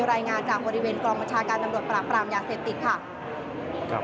รายงานจากบริเวณกองบัญชาการตำรวจปราบปรามยาเสพติดค่ะ